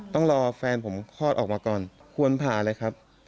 ต้องรอแฟนผมคลอดออกมาก่อนควรผ่าเลยครับ